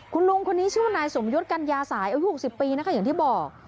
คุณลุงคนนี้ชื่อว่านายสมยศกัญญาสายอายุ๖๐ปีนะคะอย่างที่บอก